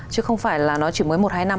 chứ không phải là nó chỉ mới một hai năm